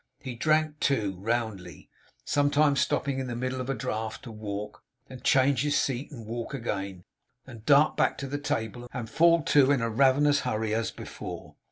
He drank too, roundly; sometimes stopping in the middle of a draught to walk, and change his seat and walk again, and dart back to the table and fall to, in a ravenous hurry, as before.